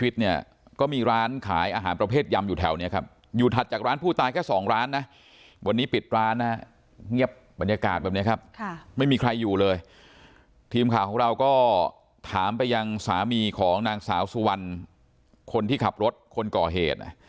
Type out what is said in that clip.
ทีมข่าวของเราก็ถามไปยังสามีของนางสาวสุวรรณคนที่ขับรถคนก่อเหตุ